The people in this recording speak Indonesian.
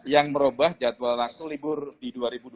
yang merubah jadwal waktu libur di dua ribu dua puluh